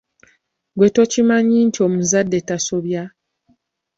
Gwe tokimanyi nti omuzadde tasobya?